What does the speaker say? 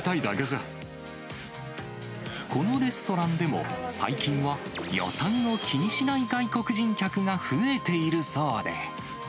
このレストランでも、最近は、予算を気にしない外国人客が増えているそうで。